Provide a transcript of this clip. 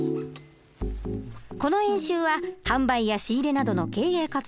この演習は販売や仕入れなどの経営活動